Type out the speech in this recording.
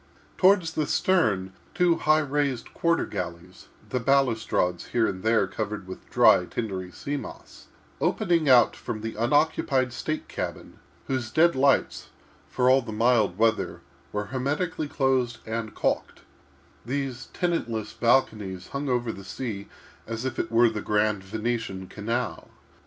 Toward the stern, two high raised quarter galleries—the balustrades here and there covered with dry, tindery sea moss—opening out from the unoccupied state cabin, whose dead lights, for all the mild weather, were hermetically closed and calked—these tenantless balconies hung over the sea as if it were the grand Venetian canal.